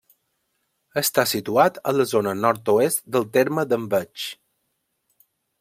Està situat a la zona nord-oest del terme d'Enveig.